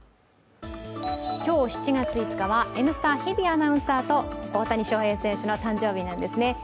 今日７月５日は「Ｎスタ」日比アナウンサーと大谷翔平選手の誕生日なんですね。